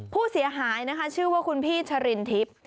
ผู้เสียหายชื่อว่าคุณพี่ชะรินทริพส์